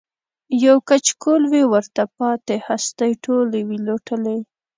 یو کچکول وي ورته پاته هستۍ ټولي وي لوټلي